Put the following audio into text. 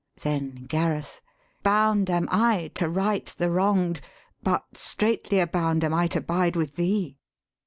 Then Gareth, ' Bound am I to right the wrong'd, But straitlier bound am I to bide with thee.'